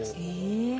え。